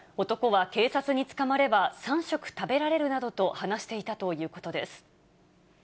男は警察に捕まれば、３食食べられるなどと話していたということです。